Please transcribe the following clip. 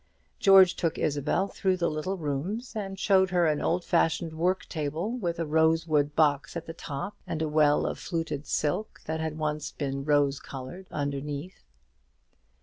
George took Isabel through the little rooms, and showed her an old fashioned work table, with a rosewood box at the top, and a well of fluted silk, that had once been rose coloured, underneath.